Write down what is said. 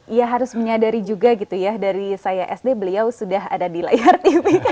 iya harus menyadari juga gitu ya dari saya sd beliau sudah ada di layar tv